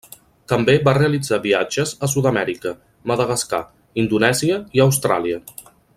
També va realitzar viatges a Sud-amèrica, Madagascar, Indonèsia i Austràlia.